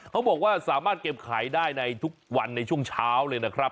เขาบอกว่าสามารถเก็บขายได้ในทุกวันในช่วงเช้าเลยนะครับ